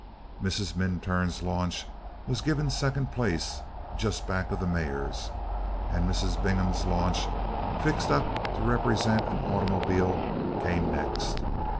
Mrs. Minturn's launch was given second place, just back of the Mayor's, and Mrs. Bingham's launch, fixed up to represent an automobile, came next.